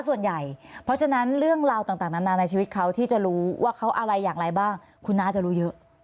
ส่วนใหญ่เพราะฉะนั้นเรื่องราวต่างนานาในชีวิตเขาที่จะรู้ว่าเขาอะไรอย่างไรบ้างคุณน้าจะรู้เยอะ